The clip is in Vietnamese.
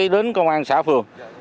đến công an xã phường